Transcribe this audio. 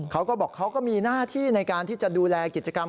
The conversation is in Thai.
เขาก็บอกเขาก็มีหน้าที่ในการที่จะดูแลกิจกรรม